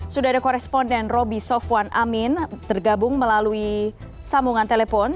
sudah ada koresponden roby sofwan amin tergabung melalui sambungan telepon